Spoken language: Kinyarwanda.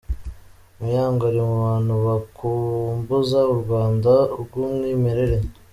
Muyango ari mu bantu bakumbuza u Rwanda rw’umwimerere.